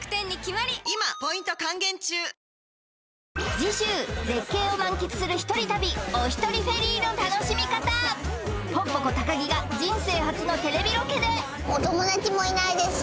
次週絶景を満喫する一人旅おひとりフェリーの楽しみ方ぽんぽこ高木が人生初のテレビロケでお友達もいないですし